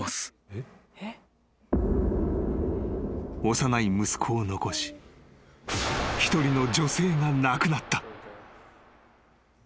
［幼い息子を残し一人の女性が亡くなった］